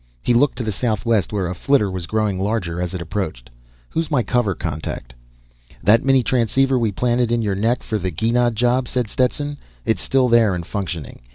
He looked to the southwest where a flitter was growing larger as it approached. "Who's my cover contact?" "That mini transceiver we planted in your neck for the Gienah job," said Stetson. "It's still there and functioning.